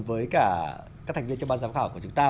với cả các thành viên trong ban giám khảo của chúng ta